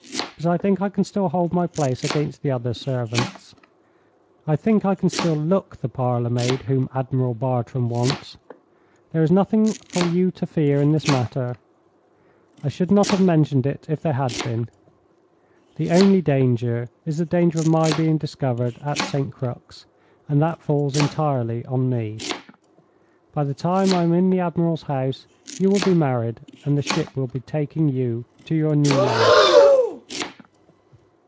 But I think I can still hold my place against the other servants—I think I can still look the parlor maid whom Admiral Bartram wants. There is nothing for you to fear in this matter; I should not have mentioned it if there had been. The only danger is the danger of my being discovered at St. Crux, and that falls entirely on me. By the time I am in the admiral's house you will be married, and the ship will be taking you to your new life."